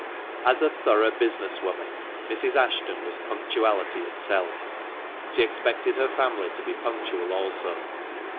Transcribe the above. As a thorough business woman, Mrs. Ashton was punctuality itself. She expected her family to be punctual also.